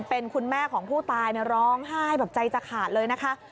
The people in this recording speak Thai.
เป็นคุณแม่ของผู้ตายร้องไห้แบบใจจะขาดเลยนะคะ